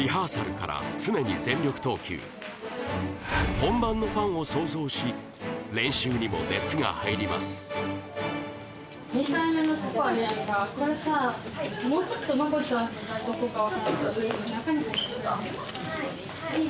本番のファンを想像し練習にも熱が入りますじゃ後ろ行くわ。